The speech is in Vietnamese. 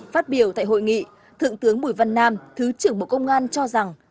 phát biểu tại hội nghị thượng tướng bùi văn nam thứ trưởng bộ công an cho rằng